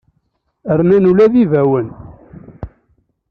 Rnan ula d ibawen.